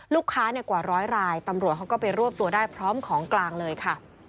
ลูกค้ากว่าร้อยรายตำรวจเขาก็ไปรวบตัวได้พร้อมของกลางเลยค่ะ